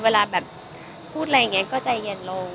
เวลาแบบพูดอะไรอย่างนี้ก็ใจเย็นลง